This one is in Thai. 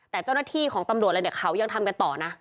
แต่เจ้าหน้าที่ของตำรวจอะไรเนี่ยเขายังทำกันต่อนะ